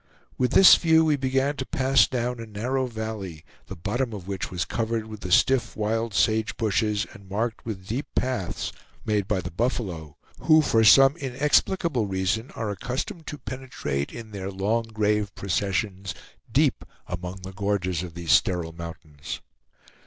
With this view we began to pass down a narrow valley, the bottom of which was covered with the stiff wild sage bushes and marked with deep paths, made by the buffalo, who, for some inexplicable reason, are accustomed to penetrate, in their long grave processions, deep among the gorges of these sterile mountains.